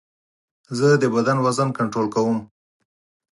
زه د بدن وزن کنټرول کوم.